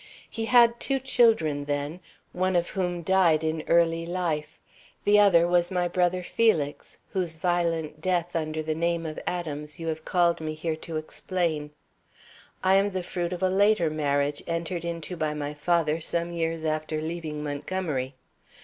He had two children then, one of whom died in early life; the other was my brother Felix, whose violent death under the name of Adams you have called me here to explain. I am the fruit of a later marriage, entered into by my father some years after leaving Montgomery.